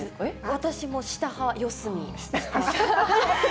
私も下派、四隅。